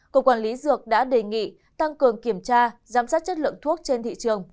cục quản lý dược đã đề nghị tăng cường kiểm tra giám sát chất lượng thuốc trên thị trường